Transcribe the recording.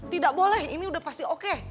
tidak boleh ini udah pasti oke